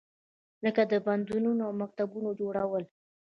لکه د بندونو او مکتبونو جوړول.